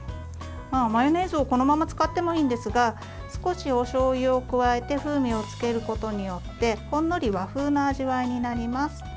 マヨネーズをこのまま使ってもいいんですが少しおしょうゆを加えて風味をつけることによってほんのり和風な味わいになります。